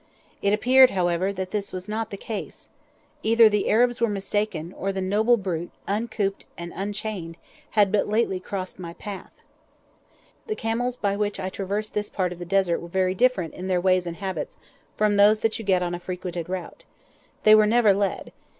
It appeared, however, that this was not the case. Either the Arabs were mistaken, or the noble brute, uncooped and unchained, had but lately crossed my path. The camels with which I traversed this part of the Desert were very different in their ways and habits from those that you get on a frequented route. They were never led.